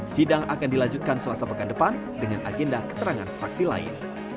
sidang akan dilanjutkan selasa pekan depan dengan agenda keterangan saksi lain